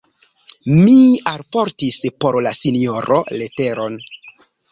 Mi alportis por la sinjoro leteron.